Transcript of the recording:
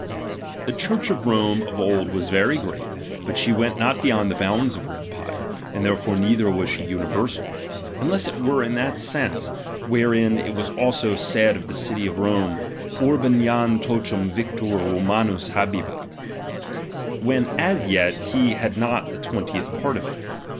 The Church of Rome of old was very great, but she went not beyond the bounds of her empire, and therefore neither was she universal; unless it were in that sense, wherein it was also said of the city of Rome, Orhem jam totum victor Romamts hahehat ; when as yet he had not the twentieth part of it.